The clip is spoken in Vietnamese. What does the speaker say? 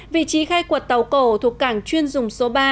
vị trí khai quật tàu cổ thuộc cảng chuyên dùng số ba